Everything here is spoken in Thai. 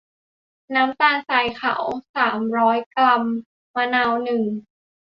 น้ำตาลทรายขาว สามร้อย กรัม มะนาว หนึ่ง